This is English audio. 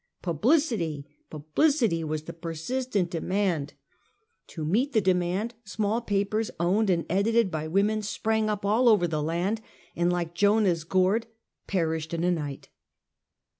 Publicity! publicity! was the persistent demand. To meet the demand, small papers, owned and edited by women, sprang up all over the land, and like Jonah's gourd, perished in a night.